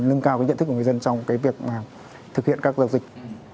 nâng cao cái nhận thức của người dân trong cái việc mà thực hiện các giao dịch